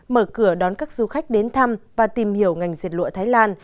mở cửa đón các du khách đến thăm và tìm hiểu ngành diệt lụa thái lan